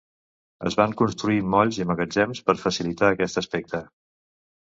Es van construir molls i magatzems per facilitar aquest aspecte.